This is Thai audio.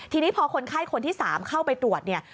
ทีนี้พอคนไข้คนที่๓เข้าไปตรวจเนี่ย